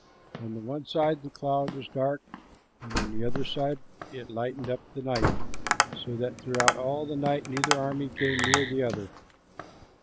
On the one side the cloud was dark and on the other side it lighted up the night, so that throughout all the night neither army came near the other.